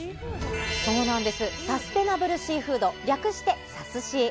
そうなんです、サステナブルシーフード、略して、サスシー。